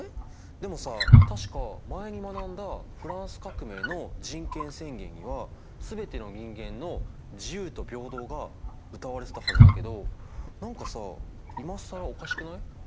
でもさ確か前に学んだフランス革命の人権宣言には全ての人間の自由と平等がうたわれてたはずだけど何かさ今更おかしくない？